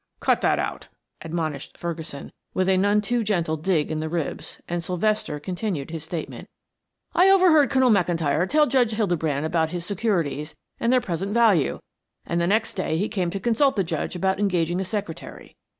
"Cut that out," admonished Ferguson with a none too gentle dig in the ribs, and Sylvester continued his statement. "I overheard Colonel McIntyre tell Judge Hildebrand about his securities and their present value, and the next day he came to consult the judge about engaging a secretary.